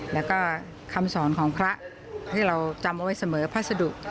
แล้วก็คำสอนของพระที่เราจำเอาไว้เสมอพัสดุ